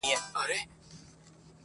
پلی درومي او په مخ کي یې ګوډ خر دی،